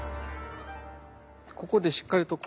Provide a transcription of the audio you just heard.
ここでしっかりと。